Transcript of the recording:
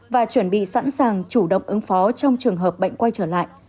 và chuẩn bị sẵn sàng chủ động ứng phó trong trường hợp bệnh quay trở lại